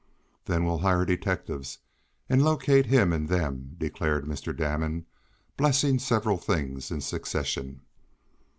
"Then we'll hire detectives, and locate him and them," declared Mr. Damon, blessing several things in succession.